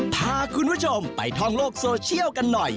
พาคุณผู้ชมไปท่องโลกโซเชียลกันหน่อย